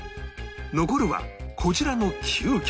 残るはこちらの９曲